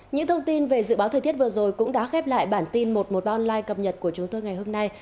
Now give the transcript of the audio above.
những thông tin về dự báo thời tiết vừa rồi cũng đã khép lại bản tin một trăm một mươi ba online cập nhật của chúng tôi ngày hôm nay